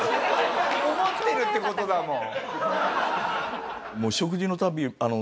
思ってるって事だもん。